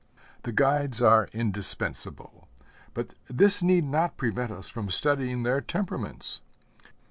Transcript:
The guides are indispensable; but this need not prevent us from studying their temperaments.